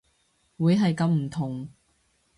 會係咁唔同